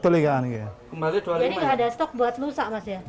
jadi nggak ada stok buat lusa mas ya